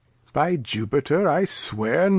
By Jupiter I swear no.